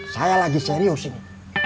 saya lagi serius ini